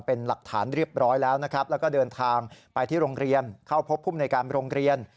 เป็นหลักฐานเรียบร้อยแล้วนะครับแล้วก็เดินทางไปที่โรงเรียนเข้าพบภูมิในการโรงเรียน